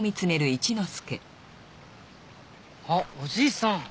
あっおじいさん。